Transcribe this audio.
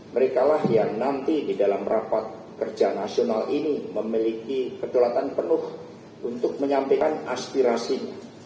mereka lah yang nanti di dalam rapat kerja nasional ini memiliki kedaulatan penuh untuk menyampaikan aspirasi